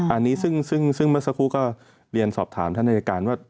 อันนี้ซึ่งเมื่อสักครู่ก็เรียนสอบถามท่านอายการว่า